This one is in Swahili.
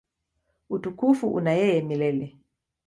Utukufu una yeye milele.